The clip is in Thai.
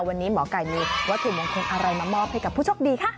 วันนี้หมอไก่มีวัตถุมงคลอะไรมามอบให้กับผู้โชคดีคะ